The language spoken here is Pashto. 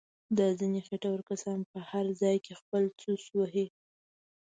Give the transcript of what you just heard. دا ځنیې خېټور کسان په هر ځای کې خپل څوس وهي.